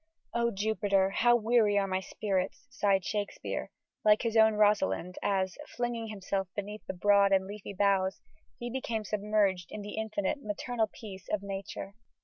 "O Jupiter, how weary are my spirits!" sighed Shakespeare, like his own Rosalind, as, flinging himself beneath the broad and leafy boughs, he became submerged in the infinite, the maternal peace of Nature.